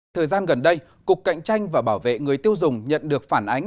thời gian gần đây cục cạnh tranh và bảo vệ người tiêu dùng nhận được phản ánh